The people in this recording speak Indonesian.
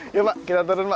iya pak kita turun pak